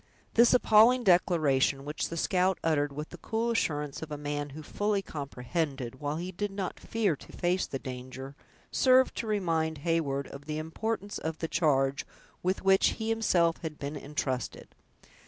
This appalling declaration, which the scout uttered with the cool assurance of a man who fully comprehended, while he did not fear to face the danger, served to remind Heyward of the importance of the charge with which he himself had been intrusted.